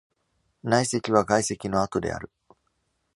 内積は外積の跡である。